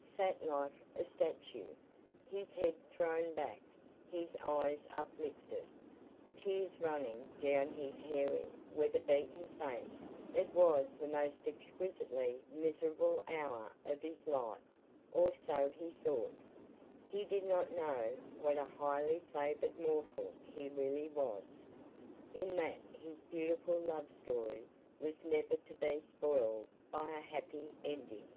sat like a statue, his head thrown back, his eyes uplifted, tears running down his hairy, weather beaten face. It was the most exquisitely miserable hour of his life or so he thought. He did not know what a highly favoured mortal he really was, in that his beautiful love story was never to be spoiled by a happy ending.